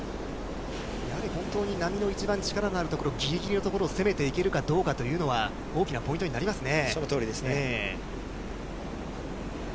やはり本当に波の一番力のある所、ぎりぎりのところを攻めていけるかどうかというのは、大きなポイントになりますね。